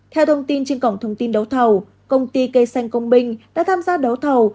theo thông tin trên cổng thông tin đấu thầu công ty cây xanh công binh đã tham gia đấu thầu